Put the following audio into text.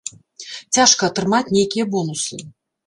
Цяжка атрымаць нейкія бонусы.